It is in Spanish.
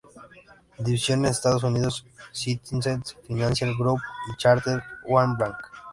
División en Estados Unidos, Citizens Financial Group y Charter One Bank.